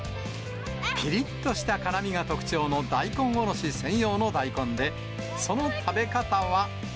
ぴりっとした辛みが特徴の大根おろし専用の大根で、その食べ方は。